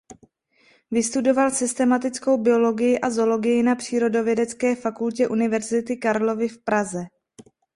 Vystudoval systematickou biologii a zoologii na Přírodovědecké fakultě Univerzity Karlovy v Praze.